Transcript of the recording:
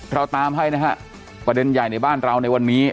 เราตามให้นะฮะประเด็นใหญ่ในบ้านเราในวันนี้